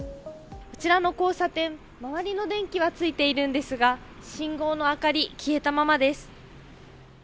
こちらの交差点、周りの電気はついているんですが、信号のあかり、消えたままです。